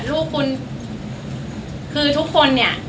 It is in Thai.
ลูกคุณคือทุกคนเนี่ย